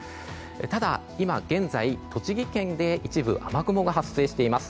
ただ、今現在、栃木県で一部雨雲が発生しています。